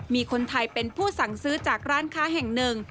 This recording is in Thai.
มีคนไทยเป็นผู้สั่งซื้อจากร้านค้าแห่งหนึ่ง